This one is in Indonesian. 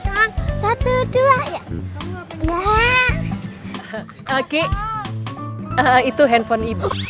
oke itu handphone ibu